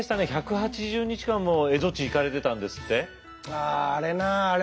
ああれなああれ